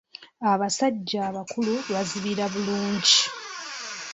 Abasajja abakulu bazibira bulungi.